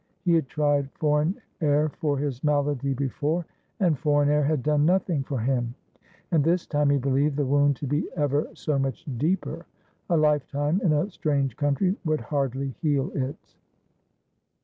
Ho had tried foreign air for his malady before, and foreign Jiir had done nothing for him ; and this time he believed the wound to be ever so much deeper. A lifetime in a strange country would hardly heal it.